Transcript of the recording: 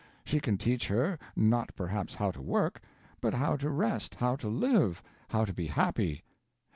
She can teach her, not perhaps how to work, but how to rest, how to live, how to be happy.